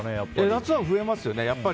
夏は増えますよね。